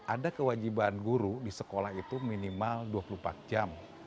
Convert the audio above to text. ada kewajiban guru di sekolah itu minimal dua puluh empat jam